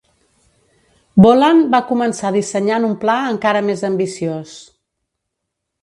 Bolland va començar dissenyant un pla encara més ambiciós.